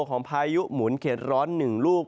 พายุหมุนเข็ดร้อน๑ลูก